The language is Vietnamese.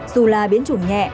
dù là biến chủng nhẹ